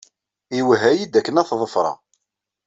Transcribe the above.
Iwehha-iyi-d akken ad t-ḍefreɣ.